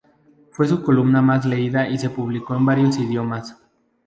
Fue su columna más leída y se publicó en varios idiomas.